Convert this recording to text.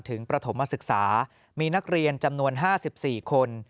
ถึงประถมศึกษามีนักเรียนจำนวนห้าสิบสี่คน